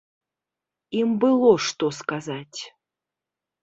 Ім было што сказаць.